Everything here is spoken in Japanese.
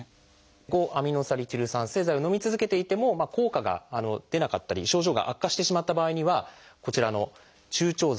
５−アミノサリチル酸製剤をのみ続けていても効果が出なかったり症状が悪化してしまった場合にはこちらの注腸剤。